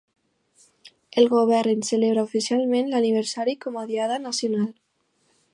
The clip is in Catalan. El govern en celebra oficialment l'aniversari com a diada nacional.